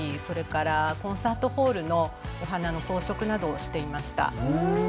それからコンサートホールのお花の装飾などをしていました。